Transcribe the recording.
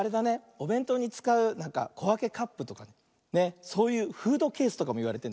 おべんとうにつかうこわけカップとかそういうフードケースとかもいわれてるんだね。